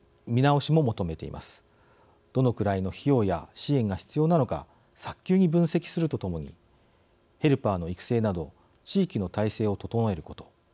どのくらいの費用や支援が必要なのか早急に分析するとともにヘルパーの育成など地域の体制を整えること。